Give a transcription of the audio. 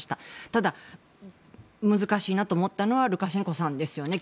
ただ、難しいなと思ったのはルカシェンコさんですよね。